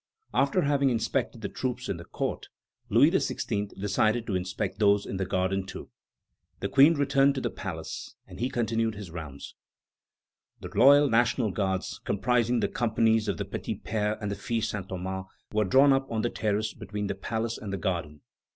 After having inspected the troops in the courts, Louis XVI. decided to inspect those in the garden also. The Queen returned to the palace, and he continued his rounds. The loyal National Guards, comprising the companies of the Petits Pères and the Filles Saint Thomas, were drawn up on the terrace between the palace and the garden.